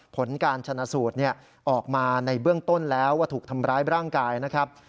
ผลการชนะสูตรออกมาในเบื้องต้นแล้วว่าถูกทำร้ายร่างกายนะครับ